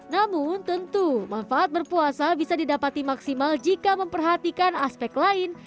namun tentu manfaat berpuasa bisa didapati maksimal jika memperhatikan aspek lain